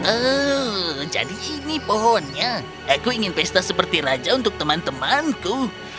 oh jadi ini pohonnya aku ingin pesta seperti raja untuk teman temanku